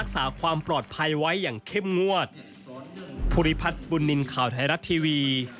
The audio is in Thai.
สวัสดี